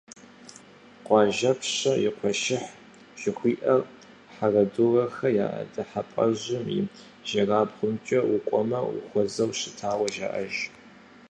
«Къуажапщэ къуэшыхь» жыхуиӀэр «Хьэрэдурэхэ я дыхьэпӀэжьым» и ижьырабгъумкӀэ укӀуэмэ, ухуэзэу щытауэ жаӀэж.